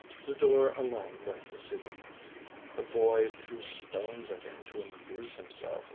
Zidore alone went to see him. The boy threw stones at him to amuse himself.